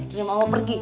ini mama pergi